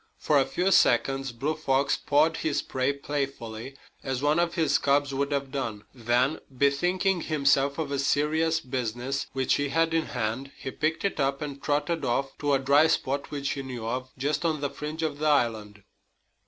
For a few seconds Blue Fox pawed his prey playfully, as one of his cubs would have done. Then, bethinking himself of the serious business which he had in hand, he picked it up and trotted off to a dry spot which he knew of, just on the fringe of the island.